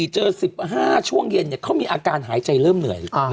เจอ๑๕ช่วงเย็นเขามีอาการหายใจเริ่มเหนื่อย